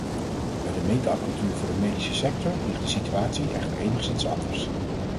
Bij de meetapparatuur voor de medische sector ligt de situatie echter enigszins anders.